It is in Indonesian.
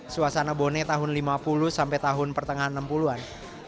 suasana bone tahun seribu sembilan ratus lima puluh sampai tahun pertengahan enam puluh an